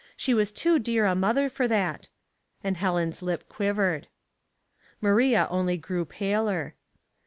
She was too dear a mother for that," and Helen's lip quivered. Maria only grew paler.